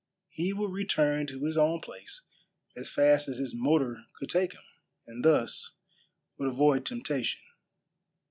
He would return to his own place as fast as his motor could take him, and thus would avoid temptation.